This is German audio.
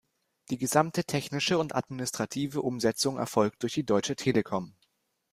Die gesamte technische und administrative Umsetzung erfolgt durch die Deutsche Telekom.